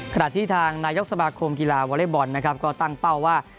ขณะที่ทางนายกสมาคมกีฬาวอเล็กบอลนะครับก็ตั้งเป้าว่า